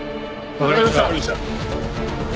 わかりました。